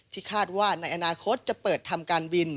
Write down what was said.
คาดว่าในอนาคตจะเปิดทำการบิน